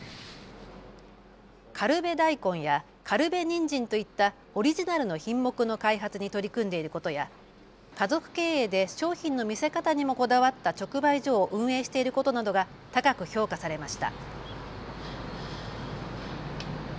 苅部大根や苅部人参といったオリジナルの品目の開発に取り組んでいることや家族経営で商品の見せ方にもこだわった直売所を運営していることなどが高く評価されました。